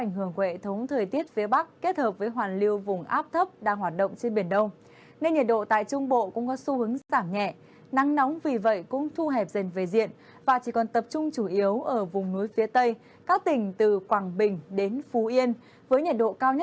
hãy nhớ like share và đăng ký kênh của chúng mình nhé